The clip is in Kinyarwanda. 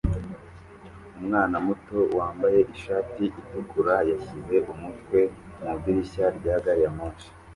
Umwana muto wambaye ishati itukura yashyize umutwe mu idirishya rya gari ya moshi